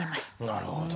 なるほど。